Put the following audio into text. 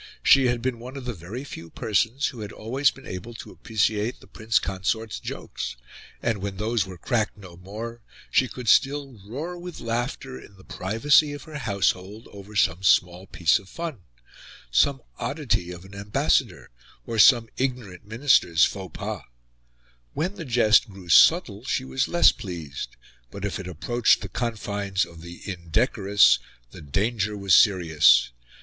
She had been one of the very few persons who had always been able to appreciate the Prince Consort's jokes; and, when those were cracked no more, she could still roar with laughter, in the privacy of her household, over some small piece of fun some oddity of an ambassador, or some ignorant Minister's faux pas. When the jest grew subtle she was less pleased; but, if it approached the confines of the indecorous, the danger was serious.